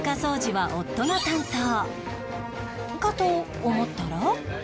かと思ったら